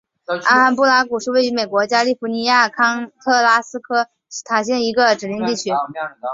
阿罕布拉谷是位于美国加利福尼亚州康特拉科斯塔县的一个人口普查指定地区。